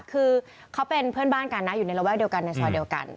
คือเขาเป็นเพื่อนบ้านกันนะอยู่ในระแวกเดียวกันในซอยเดียวกัน